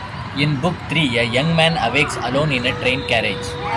In Book Three, a young man awakes alone in a train carriage.